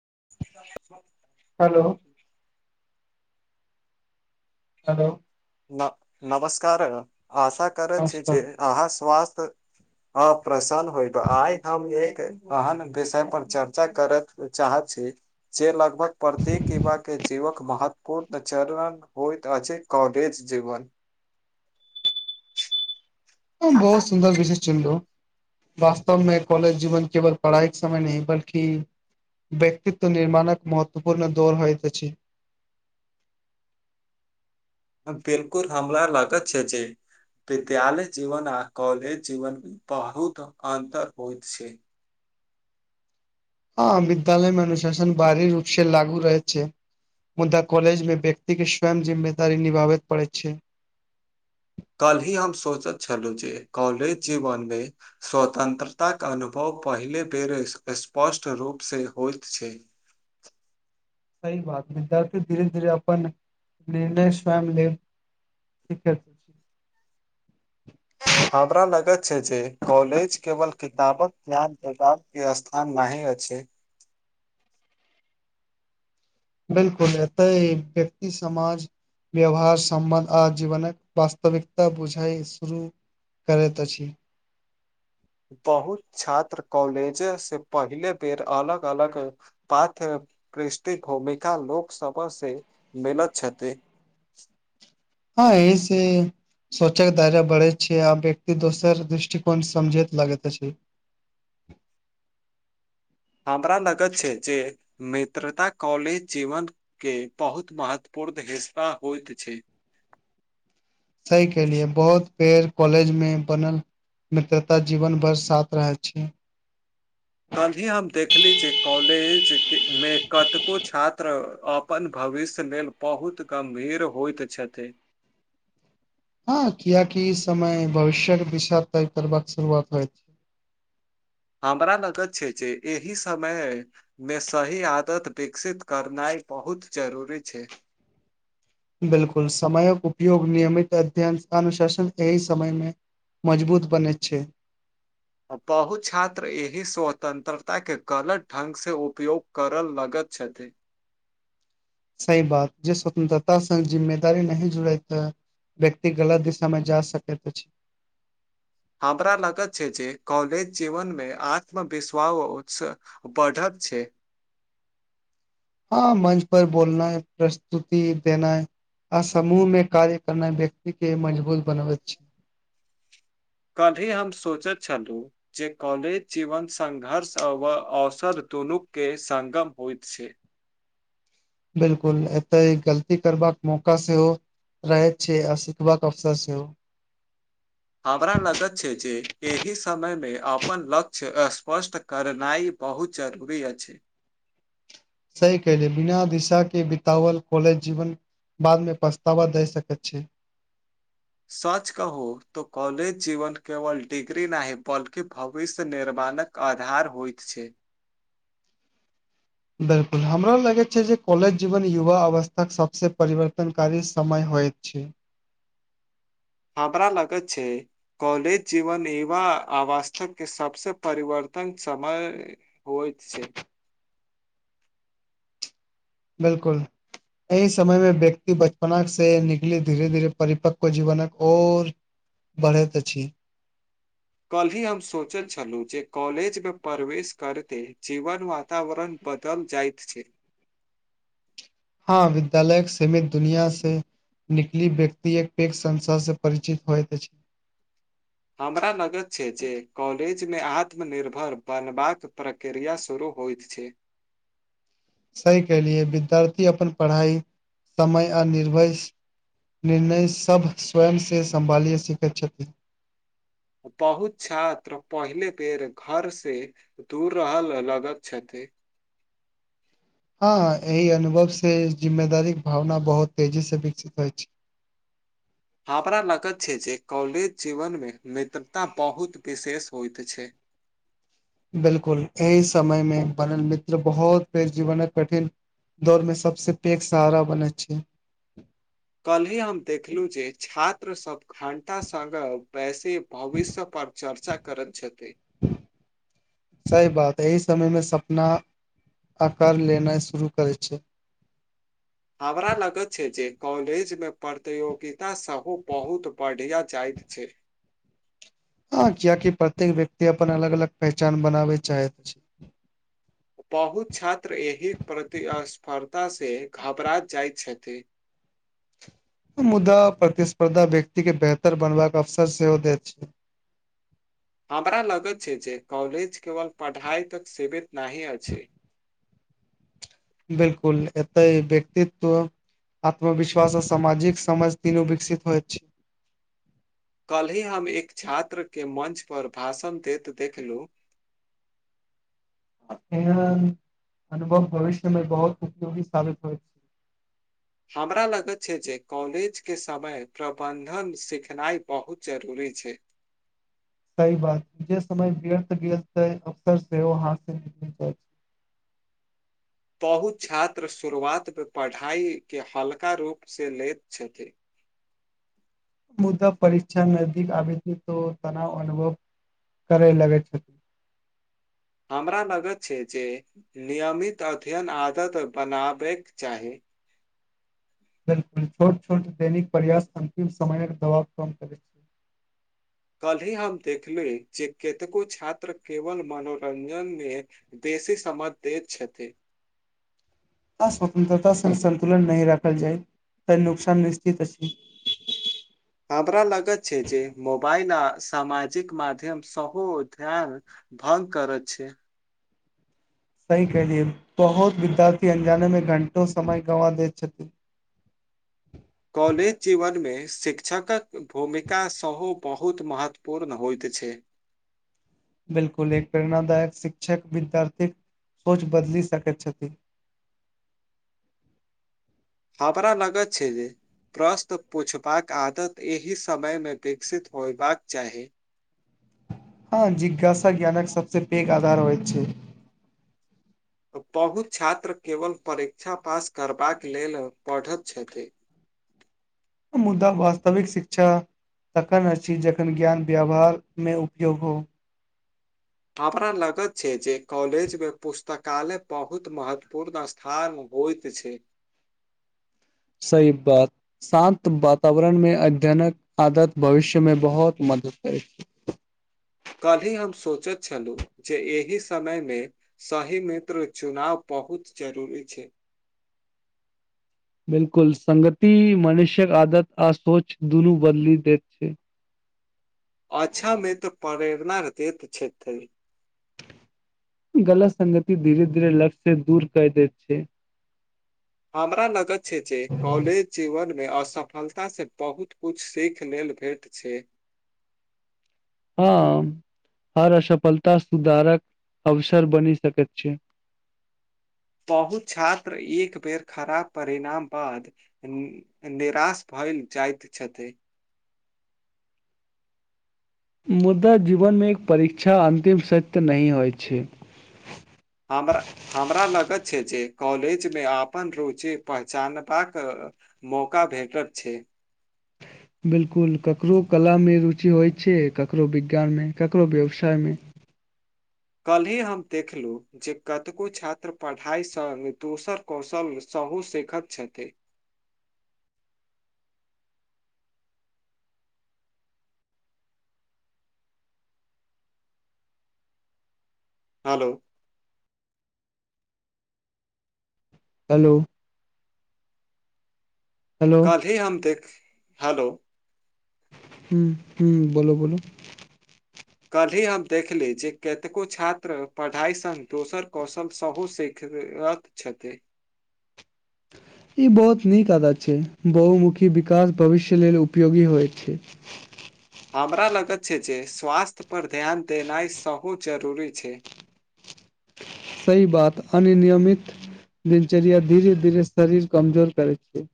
[inaudible] Hello hello न नमस्कार आशा करैत छी नमस्कार जे अहाँ स्वास्थ [inaudible] ह प्रसन्न होय आहे ठम एक अहन विषय पर चर्चा करत चाह छी जे लगभग प्रतेक इवा के जीवक महत्वपूर्ण चरण होइत अछि कॉलेज जीवन बहुत सुन्दर विषय चुनलु वास्तवमे कॉलेज जीवन केवल पढ़ाई के समय नहि बल्कि व्यक्तित्व निर्माणक महत्वपूर्ण दौड़ होइत अछि बिल्कुल हमरा लागत छै जे विद्यालय जीवन आ कॉलेज जीवन बहुत अन्तर होइत छै हँ विद्यालय मे अनुशासन बारी रूपसे लागू रहै छै मुदा कॉलेज मे व्यक्ति के स्वयं जिम्मेदारी निभाबे के पड़ै छै [inaudible] कल ही हम सोचै छलहुँ जे कॉलेज जीवनमे स्वतंत्रताक अनुभव पहिल बेेर स्पष्ट रूप से होइत छै सही बात हैय विद्यार्थी धीरे धीरे अपन निर्णय स्वयं लेब सिखैत अछि [inaudible] हमरा लगैत छै जे कॉलेज केवल किताबक ध्यान देबा के स्थान नही अछि [inaudible] बिल्कुल एतऽ व्यक्ति समाज व्यवहार समबन्ध आ जीवनक वास्तविकता बुझाइ शुरू करैत अछि [inaudible] बहुत छात्र कॉलेज से पहिले बेर अलग अलग पाथ क्रस्टि भूमिका लोकसभा से मिलत छथि हँ एहि से सोंचैत आगां बढ़ैत छिय आ व्यक्ति दोसर दृष्टिकोण समझैत लागैत अछि [inaudible] हमरा लगैत छै जे मित्रता कॉलेज जीवन के बहुत महत्वपूर्ण पूर्द हिस्सा होइत छै सही कहलियै बहुत बेर कॉलेज मे बनल मित्रता जीवन भर साथ रहैय छै [inaudible] कल्हिये हम देखली जे कॉलेज मे कतेको छात्र अपन भव भविष्य लेल बहुत गंभीर होइत छथिन हँ कियाकि ई समय भविष्यक दिशा तय करबाक शुरुआत होइछ [inaudible] हमरा लगत छै जे एहि समयमे सही आदत विकसित करनाइ बहुत जरूरी छै बिलकुल समयक उपयोग नियमित अध्ययन अनुशासन एहि समयमे मजबूत बनैत छै बहुत छात्र एहि स्वतन्त्रताकेँ गलत ढंग सँ उपयोग करय लगैत छथि सही बात जँ स्वतंत्रताक संग जिम्मेदारी नहि जुड़ैत व्यक्ति गलत दिशामे जा सकैत अछि [inaudible] हमरा लगैत छै जे कॉलेज जीवनमे आत्मविश्वास उसा बढ़ैत छै हँ मंच पर बोलनाइ प्रस्तुति देनाइ आ समूहमे कार्य करनाइ व्यक्तिकेँ मजबूत बनबैत छै [inaudible] तभी हम सोचैत छलहुँ जे कॉलेज जीवन संघर्ष अवसर दुनू केँ संगम होइत छै बिलकुल एतऽ एक गलती करबाक मौका सेहो रहैत छै आ सीखबाक अवसर सेहो हमरा लगैत छै जे एहि समयमे अपन लक्ष्य स्पष्ट करनाइ बहुत जरूरी अछि सही कहलियै बिना दिशा के बिताबल कॉलेज जीवन बादमे पछतावा दऽ सकैत छै सच कहू त कॉलेज जीवन केवल डिग्री नहि बल्कि भविष्य निर्माण क आधार होइत छै बिल्कुल हमरा लगैत छै जे कॉलेज जीवन युवा अवस्थाक सबसँ परिवर्तनकारी समय होइत छै हमरा लगैत छै कॉलेज जीवन युवा अवस्थाक सबसँ परिवर्तन नक समय होइत छै बिलकुल एहि समयमे व्यक्ति बचपनासँ निकलैत धीेरे-धीरे परिपक्क जीवनक ओर बढ़ैत अछि कल्हि हम सोंचैत छलहुँ जे कॉलेजमे प्रवेश करिते जीवनक वातावरण बदल जाइत छै हँ विद्यालयक सीमित दुनियांसँ निकलि व्यक्ति एत्तेक संशयसँ परिचित होइत अछि हमरा लगैत छै जे कॉलेजमे आत्मनिर्भर बनबाक प्रक्रिया शुरू होइत छै सही कहलिये विद्यार्थी अपन पढ़ाइ समय आ निर्भय निर्णय सभ स्वयं से सम्भालि सिखैत छथि बहुत छात्र पहिले बेर घर से दूर रहल लगैत छथिन ई हँ एहि अनुभव से जिम्मेदारीके भावना बहुत तेजीसँ विकसित होइ छै [inaudible] हमरा लगत छै जे कॉलेज जीवनमे मित्रता बहुत विशेष होइत छै [inaudible] बिलकुल एहि समय मे बनल मित्र बहुत बेर जीवनक कठिन दौड़मे सबसँ पैघ सहारा बनै छै कल्हि हम देखलहुँ जे छात्र सभ घंटा संग बैसी भविष्य पर चर्चा करैत छथि सही बात है ई तब ओहिमे सपना आकार लेनाइ शुरू करैत छै हमरा लगैत छै जे कॉलेजमे प्रतियोगिता सेहो बहुत बढ़िया जाइत छै हँ कियाकी प्रत्येक व्यक्ति अपन अलग अलग पहचान बनाबै चाहैत छै बहुत छात्र एहि प्रतिस्पर्धासँ घबरा जाइत छथि [inaudible] मुदा प्रतिस्पर्धा व्यक्ति के बेहतर बनबाक अवसर सेहो दैत छै [inaudible] हमरा लगत छै जे कॉलेज केवल पढ़ाई तक सिमीत नहि अछि बिलकुल एतऽहि व्यक्तित्व आत्मविश्वास आ सामाजिक समाज तिनू विकसित होयत छै [inaudible] कल्हि हम एक छात्रके मंच पर भाषण दैत देखलूँ [inaudible] अ अनुभव भविष्यमे बहुत उपयोगी साबित होइ छै हमरा लगैत छै जे कॉलेज के समय प्रबंधन सिखनाइ बहुत जरूरी छै सहि बात जे समय व्यर्थ गेल तै अवसर सेहो हाथ से निकल जाइ छै [inaudible] बहुत छात्र शुरुआतमे पढ़ाइके हल्का रूपसँ लैत छथिन मुदा परीक्षा नजदीक आबै छै तो तनाव अनुभव करै लगै छथिन हमरा लगैत छै जे नियमित अध्ययन आदत बनाबैक चाही बिलकुल छोट छोट दैनिक प्रयास अन्तिम समयक दबाव कम करैत कल्हि हम देखली जे केतको छात्र केवल मनोरंजन मे दे बेसी समय दैत छथि आ स्वतन्त्रता संग संतुलन नहि रखल जाइ तऽ नुकसान निश्चित अछि [inaudible] हमरा लगैत छै जे मोबाइल आ सामजिक माध्यम सहो ध्यान भंग करैत छै सही कहलियै बहुत विद्यार्थी अनजानेमे घंटों समय गवाँ दैत छथि [inaudible] कॉलेज जीवनमे शिक्षकक भूमिका सेहो बहुत महत्वपूर्ण होइत छै बिलकुल एक प्रेरणादायक शिक्षक विद्यार्थीक सोच बदली सकैत छथि हमरा लगैत छै जे प्रश्न पुछबाक आदत एहि समयमे विकसित होयबाक चाही हँ जिज्ञासा ज्ञानक सबसे पैघ आधार होइत छै बहुत छात्र केवल परीक्षा पास करबाक लेल पढ़ैत छथि [inaudible] मुद्दा वास्तविक शिक्षा तखन अछि जखन ज्ञान व्यवहारमे उपयोग हो [inaudible] हमरा लगत छै जे कॉलेजमे पुस्तकालय बहुत महत्वपूर्ण स्थान होइत छै सही बात शान्त वातावरण मे अध्ययनक आदत भविष्यमे बहुत मह [inaudible] [inaudible] कल्हि हम सोचैत छलहुँ जे एहि समयमे सही मित्र चुनाव बहुत जरूरी छै बिलकुल संगति मनुष्यक आदत आ सोच दुनू बदलि देैत छै अच्छा मित्र प्रेरणा रतित छथि गलत सगति धीरे धीरे लक्ष्य से दूर कऽ दैत छै हमरा लगेत छै कॉलज जीवन मे असफलता से बहुत कुछ सीखऽ लेल भेट छै हम हर असफलता सुधारक अवसर बनि सकैत छै [inaudible] बहुत छात्र एक बेर खराब परिणाम बाद निराश भऽ भइल जाइत छथि मुदा जीवनमे एक परीक्षा अन्तिम सत्य नहि होइत छै हमरा लगत छै जे कॉलेजमे आपन रुचि पहचानबाक मौका भेटत छै बिलकुल ककरो कला मे रुचि होइत छै ककरो विज्ञानमे ककरो व्यवसायमे [inaudible] कल्हि हम देखलहुँ जे कतको छात्र पढ़ाइसँ दोसर कौशलसँ बहुत सिखत छथि। हेलो हेलो हेलो काल्हि हम देख हलो हु हु बोलो बोलो कल्हि हम देखली जे कतेको छात्र पढ़ाई संग दोसर कौशल सेहो सीख रथ छथि ई बहुत नीक आदत छै बहुमुखी विकास भविष्य लेल उपयोगी होइ छै [inaudible] हमरा लगत छै जे स्वास्थ्य पर ध्यन देनाइ सहु जरूरी छै [inaudible] सही बात अन्य नियमित दिनचर्या धीरे धीरे शरीर कमजोर करै छै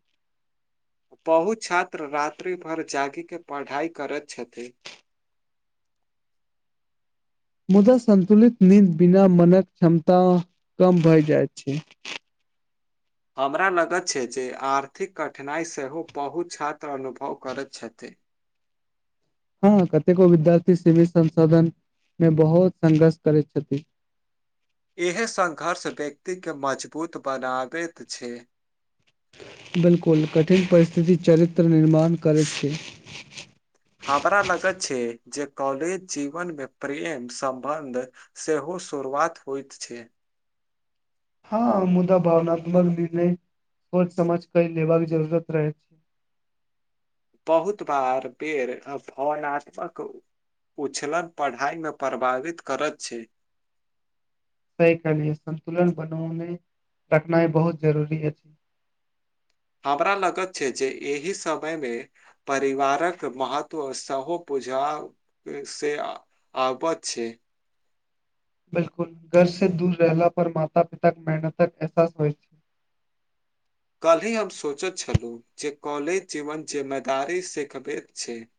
[inaudible] बहुत छात्र रात्रि भर जागी के पढ़ाई करैत छथि [inaudible] मुदा संन्तुलित निंद बिना मनक क्षमता कम भए जाइत छै हमरा लगत छै जे आर्थिक कठिनाइ सेहो बहुत छात्र अनुभव करैत छथि [inaudible] हँ कतेको विद्यार्थी सीमित संसाधन में बहुत संघर्ष करैत छथि इहे संघर्ष व्यक्तिके मजबूत बनाबैत छै बिलकुल कठिन परिस्थिति चरित्र निर्माण करैत छै हमरा लगत छै जे कॉलेज जिवन में प्रेम संबंध सेहो शुरुआत होइत छै हँ मुदा भावनात्मक निर्णय को समाज कई लेबाक जरूरत रहै छै बहुत बार बेेर अभावनात्मक उछलन पढ़ाई मे प्रभावित करैत छै सही कहलीय संन्तुलन बनने रखनाय बहुत जरूरी अछि [inaudible] हमरा लगत छै जे एहि समय मे परिवारक महत्व सेहो प बुझा से आबत छै बिलकुल घर से दूर रहला पर माता पिता के मेहनतक एहसास होइ छै [inaudible] कल्हि हम सोचैत छलहुँ जे कॉलेज जीवन जिमेदारी सिखबैत छै [inaudible]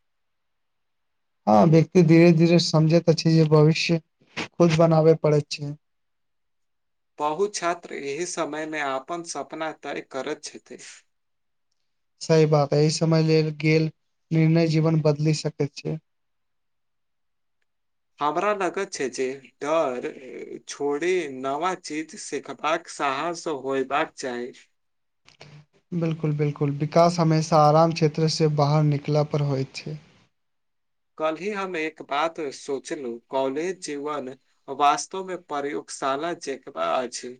हँ व्यक्ति धीरे धीरे समझैत अछि छै जे भविष्य खुद बनाबे पड़ैत छै [inaudible] बहु छात्र एहि समयमे अपन सपना तय करैत छथिन सही बात एहि समय लेल गेल निर्णय जीवन बदलि सकैत छै [inaudible] हमरा लगत छै जे डर छोड़े नवा चीज सिखबाक साहस होयबाक चाही बिलकुल बिलकुल विकास हमेशा आराम क्षेत्र से बाहर निकला पर होइत छै [inaudible] कल ही हम एक बात सोचलू कॉलेज जीवन वास्तवमे प्रयुक्त साला चेेकबा अछि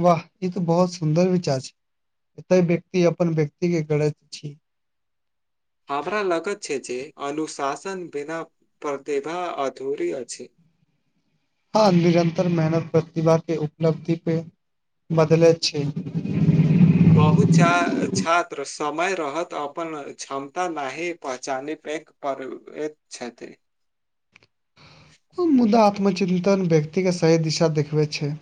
वाह ई तो बहुत सुन्दर विचार छै एतय व्यक्ति अपन व्यक्तिके गढ़ैत छी हमरा लगत छै जे अनुशासन बिना प्रतिभा अधूरी अछि [inaudible] हँ निरन्तर मेहनत प्रतिभा के उपलब्धि पे बदलैत छै बहुत चा छात्र समय रहत अपन क्षमता नाहि पहचाने प एक पर्व एक छथि ओ मुदा आत्मचिन्तन व्यक्तिके सही दिशा देखबैत छै